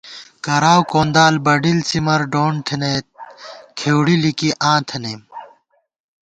کراؤ کوندال بڈِل څِمر ڈوند تھنَئیت کھېؤڑی لِکی آں تھنَئیم